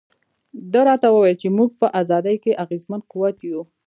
ده راته وویل چې موږ په ازادۍ کې اغېزمن قوت یو.